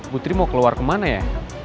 putri mau keluar kemana ya